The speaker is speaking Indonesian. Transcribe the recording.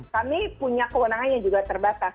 kami punya kewenangannya juga terbatas